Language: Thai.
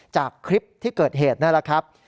จากคลิปที่เกิดเหตุนั่นแหละครับ